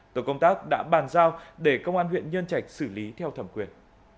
tổ công tác đã bàn giao để công an huyện nhân trạch xử lý theo thẩm quyền